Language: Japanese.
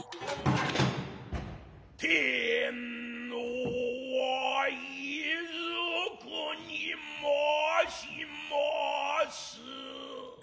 天皇はいづくにまします。